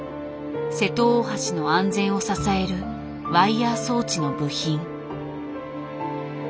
瀬戸大橋の安全を支えるワイヤー装置の部品。